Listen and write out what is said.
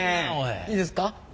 いいですか？